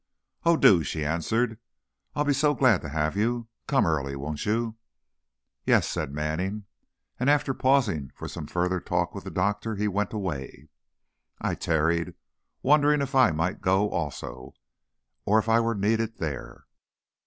"Oh, do," she answered, "I'll be so glad to have you. Come early, won't you?" "Yes," said Manning, and after pausing for some further talk with the doctor he went away. I tarried, wondering if I might go also, or if I were needed there.